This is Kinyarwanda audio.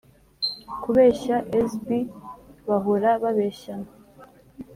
Kubeshya zb bahora babeshyana